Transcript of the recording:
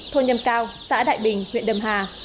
thôn nhâm cao xã đại bình huyện đầm hà